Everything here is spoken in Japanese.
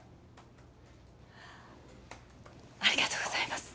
ありがとうございます。